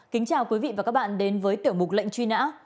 kính chào quý vị và các bạn đến với tiểu mục lệnh truy nã